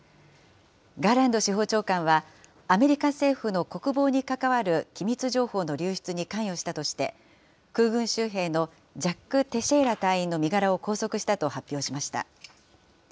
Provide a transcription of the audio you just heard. ガーランド司法長官はアメリカ政府の国防に関わる機密情報の流出に関与したとして、空軍州兵のジャック・テシェイラ隊員の身柄を拘束したと発表しました。